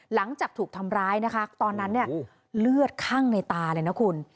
หลังจากถูกทำร้ายนะคะตอนนั้นเนี่ยเลือดคั่งในตาเลยนะคุณ